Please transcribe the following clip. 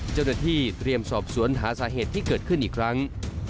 เจ้าหน้าที่เตรียมสอบสวนหาสาเหตุที่เกิดขึ้นอีกครั้ง